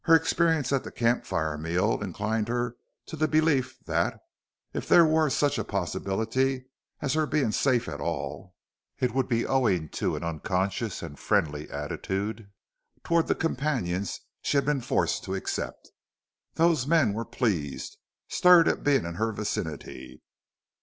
Her experience at the camp fire meal inclined her to the belief that, if there were such a possibility as her being safe at all, it would be owing to an unconscious and friendly attitude toward the companions she had been forced to accept. Those men were pleased, stirred at being in her vicinity.